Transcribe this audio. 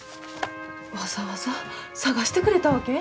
わざわざ探してくれたわけ？